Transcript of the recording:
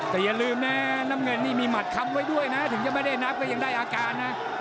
แต่อย่าลืมนะน้ำเงินนี่มีหมัดคำไว้ด้วยนะถึงจะไม่ได้นับก็ยังได้อาการนะ